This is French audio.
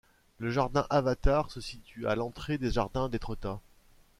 Le Jardin Avatar se situe a l'entré des Jardins d'Etretat.